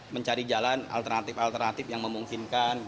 mencari jalan alternatif alternatif yang memungkinkan